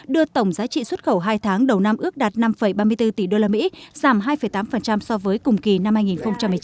đưa tổng giá trị xuất khẩu hai tháng đầu năm ước đạt năm ba mươi bốn tỷ usd giảm hai tám so với cùng kỳ năm hai nghìn một mươi chín